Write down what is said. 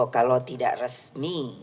kalau tidak resmi